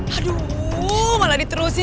aduh malah diterusin